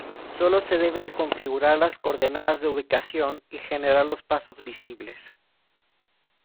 Solo se debe configurar las coordenadas de ubicación y generar los pasos visibles.